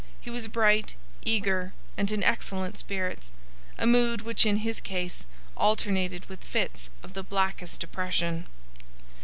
He was bright, eager, and in excellent spirits,—a mood which in his case alternated with fits of the blackest depression.